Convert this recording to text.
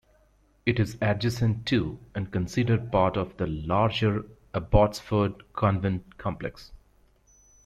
It is adjacent to, and considered part of the larger Abbotsford Convent complex.